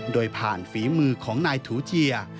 โดยผ่านฝีมือของนายถูเจีย